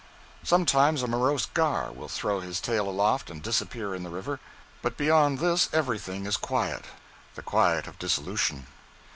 Sometimes a morose gar will throw his tail aloft and disappear in the river, but beyond this everything is quiet the quiet of dissolution.